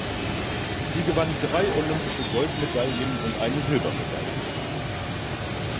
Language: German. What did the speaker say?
Sie gewann drei olympische Goldmedaillen und eine Silbermedaille.